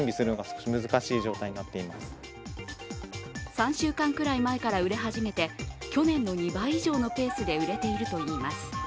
３週間くらい前から売れ始めて去年の２倍以上のペースで売れているといいます。